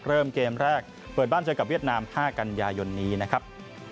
เริ่มเกมแรกเปิดบ้านเจอกับเวียดนาม๕กันยายนนี้นะครับ